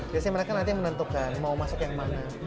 biasanya mereka nanti menentukan mau masuk yang mana